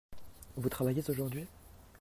Vous travaillez aujourd'hui ?